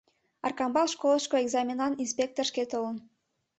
Аркамбал школышко экзаменлан инспектор шке толын.